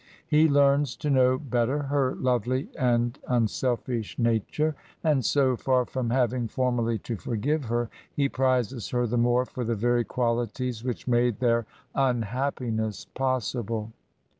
He learns to know better her lovely and unselfish nature, and so far from having formally to forgive her, he prizes her the more for the very qualities which made their unhappi ness possible.